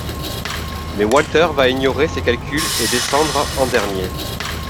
Mais Walter va ignorer ses calculs et descendre en dernier.